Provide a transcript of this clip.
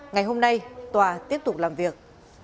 ngày hôm nay tòa tiếp tục làm việc